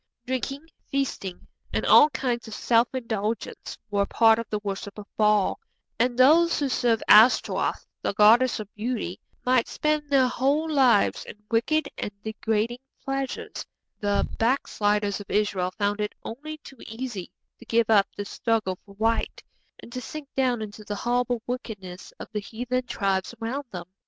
Drinking, feasting, and all kinds of self indulgence were part of the worship of Baal, and those who served Ashtaroth, the goddess of beauty, might spend their whole lives in wicked and degrading pleasures. [Illustration: ANCIENT FIGURE OF ASHTAROTH, THE WICKED IDOL GODDESS OF CANAAN] The backsliders of Israel found it only too easy to give up the struggle for right, and to sink down into the horrible wickedness of the heathen tribes around them.